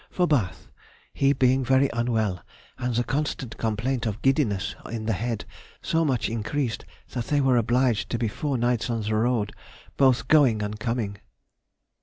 for Bath, he being very unwell, and the constant complaint of giddiness in the head so much increased, that they were obliged to be four nights on the road both going and coming.